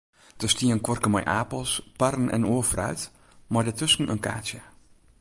Der stie in kuorke mei apels, parren en oar fruit, mei dêrtusken in kaartsje.